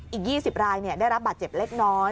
อีก๒๐รายได้รับบาดเจ็บเล็กน้อย